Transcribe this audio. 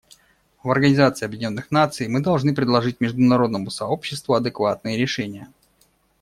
В Организации Объединенных Наций мы должны предложить международному сообществу адекватные решения.